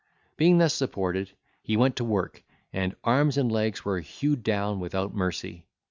Being thus supported, he went to work, and arms and legs were hewed down without mercy.